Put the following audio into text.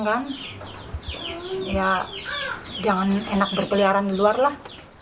ya jangan enak berkeliaran di luar lah